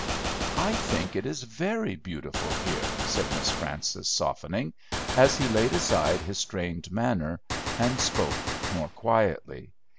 "I think it is very beautiful here," said Miss Frances, softening, as he laid aside his strained manner, and spoke more quietly.